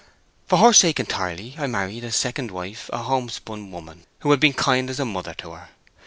For her sake entirely I married as second wife a homespun woman who had been kind as a mother to her.